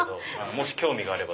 もし興味があれば。